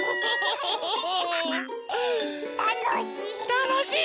たのしい！